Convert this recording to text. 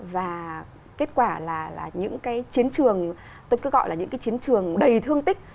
và kết quả là những cái chiến trường tôi cứ gọi là những cái chiến trường đầy thương tích